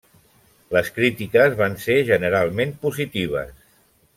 Les crítiques van ser generalment positives.